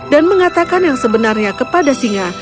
dan mengatakan yang sebenarnya kepada singa